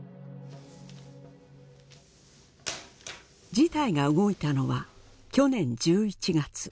事態が動いたのは去年１１月。